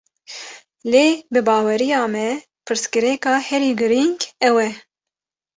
Lê bi baweriya me, pirsgirêka herî girîng ew e